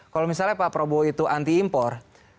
kalau misalnya pak prabowo itu anti impor